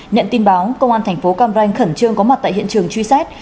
nhận tin báo công an thành phố cam ranh khẩn trương có mặt tại hiện trường truy xét